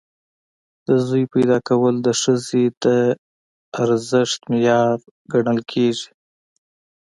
د زوی پیدا کول د ښځې د ارزښت معیار ګڼل کېږي.